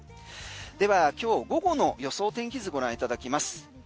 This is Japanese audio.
では今日午後の予想天気図ご覧いただきます。